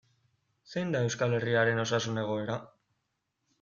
Zein da Euskal Herriaren osasun egoera?